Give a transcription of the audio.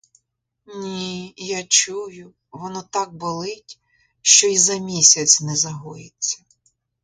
Ні, я чую, воно так болить, що й за місяць не загоїться.